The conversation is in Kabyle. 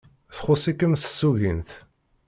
Txuṣṣ-ikem tsugint.